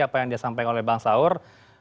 apa yang disampaikan oleh bang saur